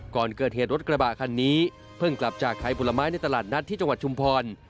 ก่อนเกิดเหตุรถกระบะคันนี้เพิ่งกลับจากขายผลไม้ในตลาดนัดที่จังหวัดชุมพร